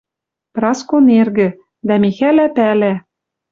Праскон эргӹ. Дӓ Михӓлӓ пӓлӓ: